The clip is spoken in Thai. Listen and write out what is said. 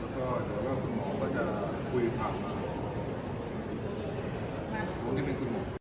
โปรดติดตามตอนต่อไป